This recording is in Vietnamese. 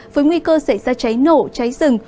với nguy cơ xảy ra cháy nổ cháy rừng